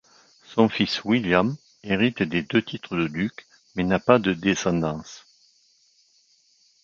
Son fils William hérite des deux titres de duc, mais n'a pas de descendance.